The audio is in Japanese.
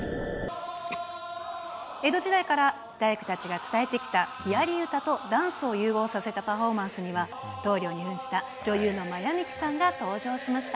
江戸時代から大工たちが伝えてきた木やり歌とダンスを融合させたパフォーマンスには、棟りょうにふんした女優の真矢ミキさんが登場しました。